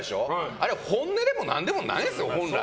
あれは本音でも何でもないんです本来。